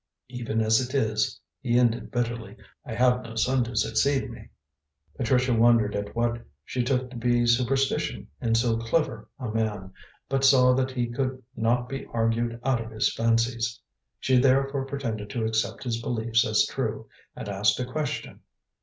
Even as it is," he ended bitterly, "I have no son to succeed me." Patricia wondered at what she took to be superstition in so clever a man, but saw that he could not be argued out of his fancies. She therefore pretended to accept his beliefs as true, and asked a question.